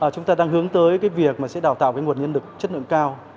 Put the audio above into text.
chúng ta đang hướng tới việc đào tạo nguồn nhân lực chất lượng cao